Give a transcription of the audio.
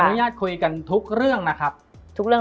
มันทำให้ชีวิตผู้มันไปไม่รอด